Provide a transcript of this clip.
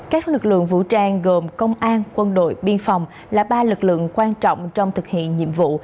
các lực lượng vũ trang gồm công an quân đội biên phòng là ba lực lượng quan trọng trong thực hiện nhiệm vụ